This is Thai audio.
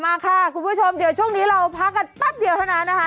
มาค่ะคุณผู้ชมเดี๋ยวช่วงนี้เราพักกันแป๊บเดียวเท่านั้นนะคะ